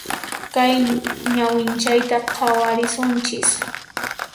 Kay ñawinchayta khawarisunchis.